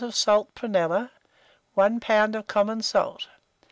of salt prunella, 1 lb. of common salt.